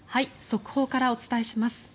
速報からお伝えします。